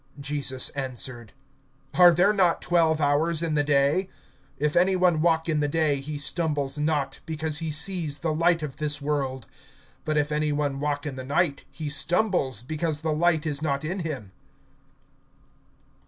(9)Jesus answered: Are there not twelve hours in the day? If any one walk in the day, he stumbles not, because he sees the light of this world. (10)But if any one walk in the night, he stumbles, because the light is not in him.